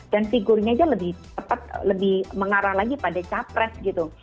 dan figurnya aja lebih cepat lebih mengarah lagi pada capres gitu